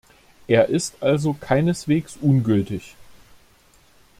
Er ist also keineswegs ungültig.